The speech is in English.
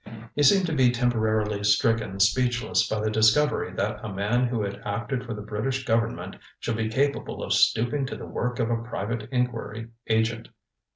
He seemed to be temporarily stricken speechless by the discovery that a man who had acted for the British Government should be capable of stooping to the work of a private inquiry agent.